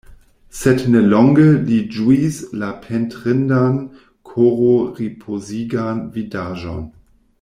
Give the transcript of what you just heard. Sed ne longe li ĝuis la pentrindan, kororipozigan vidaĵon.